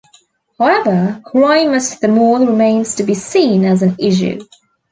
However, crime at the mall remains to be seen as an issue.